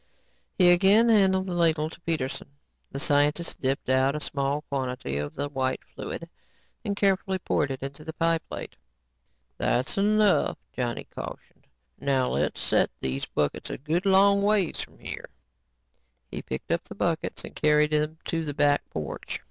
He again handed the ladle to Peterson. The scientist dipped out a small quantity of the white fluid and carefully poured it into the pie plate. "That's enough," Johnny cautioned. "Now let's set these buckets a good long ways from here." He picked up the buckets and carried them to the back porch.